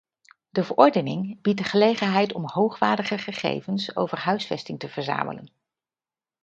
De verordening biedt de gelegenheid om hoogwaardige gegevens over huisvesting te verzamelen.